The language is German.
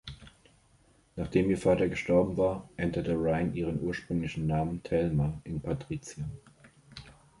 Nachdem ihr Vater gestorben war, änderte Ryan ihren ursprünglichen Namen Thelma in Patricia.